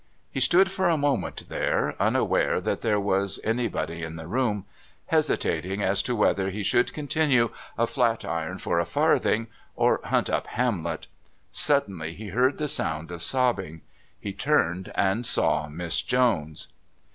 He stood for a moment there unaware that there was anybody in the room, hesitating as to whether he should continue "A Flat Iron for a Farthing" or hunt up Hamlet. Suddenly he heard the sound of sobbing. He turned and saw Miss Jones.